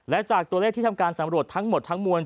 และจากตัวเลขที่ทำการสำรวจทั้งหมดทั้งมวล